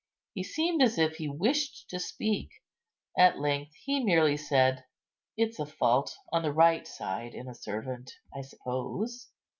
He seemed as if he wished to speak; at length he merely said, "It's a fault on the right side in a servant, I suppose."